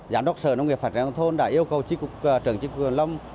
giám đốc sở nông nghiệp phát triển nông thôn đã yêu cầu trưởng chính quyền long